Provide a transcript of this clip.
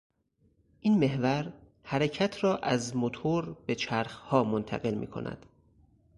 این محور، حرکت را از موتور به چرخها منتقل میکند.